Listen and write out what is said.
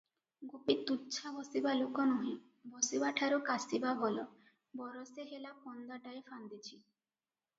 ଗୋପୀ ତୁଚ୍ଛା ବସିବା ଲୋକ ନୁହେଁ, ବସିବାଠାରୁ କାଷିବା ଭଲ, ବରଷେ ହେଲା ଫନ୍ଦାଟାଏ ଫାନ୍ଦିଛି ।